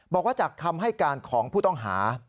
บอกว่าจากคำให้การของผู้ต้องหา